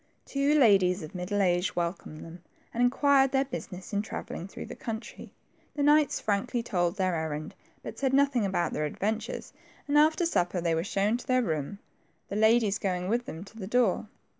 Two ladies of middle age welcomed them, and inquired their business in travelling through the country. The knights frankly told their errand, hut said nothing about their adventures, and after supper they were shown to their room, the ladies going with them to the door.